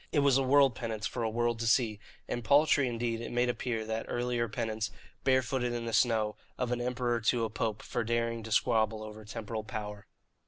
It was a world penance for a world to see, and paltry indeed it made appear that earlier penance, barefooted in the snow, of an emperor to a pope for daring to squabble over temporal power.